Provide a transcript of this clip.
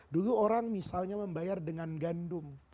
dulu orang misalnya membayar dengan gandum